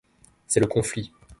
C'est le conflit.